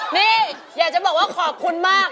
นี่อยากจะบอกว่าขอบคุณมาก